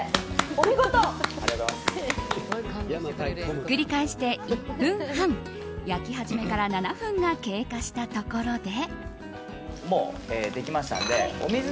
ひっくり返して１分半焼き始めから７分が経過したところで。